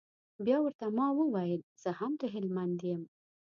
بيا ورته ما وويل زه هم د هلمند يم.